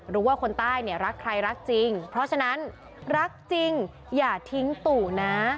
รู้ว่าคนใต้เนี่ยรักใครรักจริงเพราะฉะนั้นรักจริงอย่าทิ้งตู่นะ